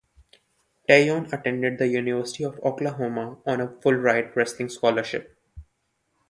Teyon attended the University of Oklahoma on a full ride wrestling scholarship.